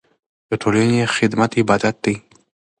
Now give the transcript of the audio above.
د ټولنې خدمت عبادت دی.